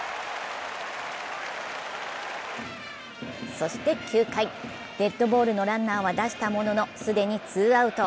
そして９回、デッドボールのランナーは出したものの既にツーアウト。